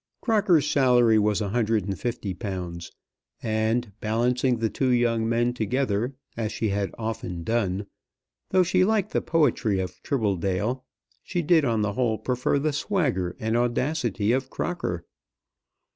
Crocker's salary was £150; and, balancing the two young men together as she had often done, though she liked the poetry of Tribbledale, she did on the whole prefer the swagger and audacity of Crocker.